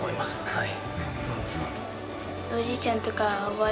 はい。